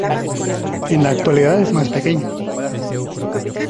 En la actualidad es más pequeño.